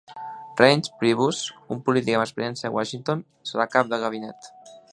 Reince Preibus, un polític amb experiència a Washington, serà cap de gabinet.